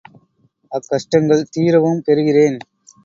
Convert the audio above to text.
அக்கஷ்டங்கள் தீரவும் பெறுகிறேன்.